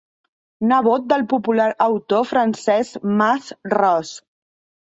Nebot del popular autor Francesc Mas Ros.